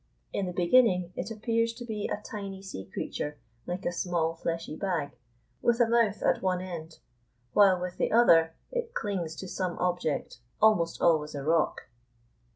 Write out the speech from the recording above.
In the beginning it appears to be a tiny sea creature, like a small, fleshy bag, with a mouth at one end, while with the other it clings to some object, almost always a rock.